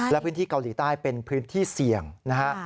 และพื้นที่เกาหลีใต้เป็นพื้นที่เสี่ยงนะฮะ